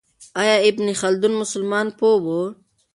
آیا ابن خلدون مسلمان پوه و؟